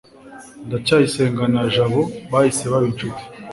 ndacyayisenga na jabo bahise baba inshuti